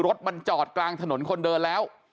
รถมันจอดกลางถนนคนเดินแล้ว